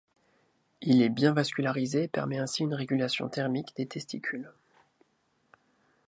Il est bien vascularisé et permet ainsi une régulation thermique des testicules.